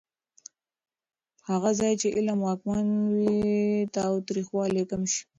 هغه ځای چې علم واکمن وي، تاوتریخوالی کم شي.